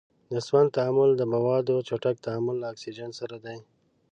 د سون تعامل د موادو چټک تعامل له اکسیجن سره دی.